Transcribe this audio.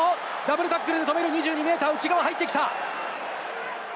ダブルタックルで止める、２２ｍ内側に入ってきた。